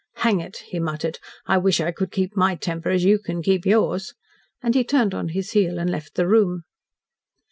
"Hang it," he muttered. "I wish I could keep my temper as you can keep yours," and he turned on his heel and left the room.